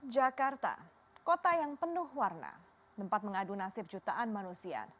jakarta kota yang penuh warna tempat mengadu nasib jutaan manusia